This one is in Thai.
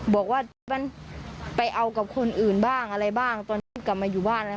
บอกว่าไปเอากับคนอื่นบ้างอะไรบ้างกลับมาอยู่บ้านแล้ว